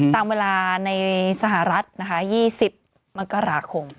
ตามเวลาในสหรัฐนะคะ๒๐มกราคม